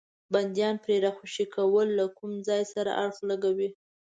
بندیان پرې راخوشي کول له کوم ځای سره اړخ لګوي.